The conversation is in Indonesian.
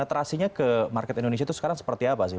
penetrasinya ke market indonesia itu sekarang seperti apa sih